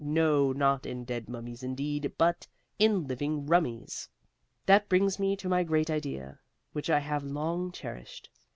No, not in dead mummies, indeed, but in living rummies. That brings me to my great idea, which I have long cherished.